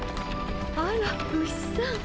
あらウシさん。